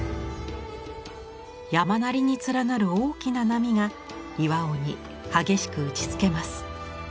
山なりに連なる大きな波が巌に激しく打ちつけます。